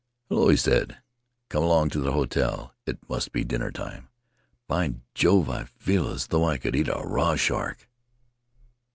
"Hello!" he said. "Come along to the hotel — it must be dinner time. By Jove! I feel as though I could eat a raw shark!"